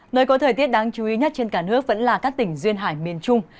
nơi có thời tiết đáng chú ý nhất trên cả nước vẫn là các tỉnh duyên hải miền trung